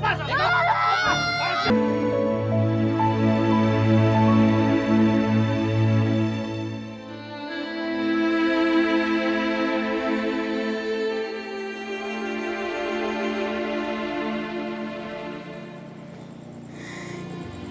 mas jawan mas mas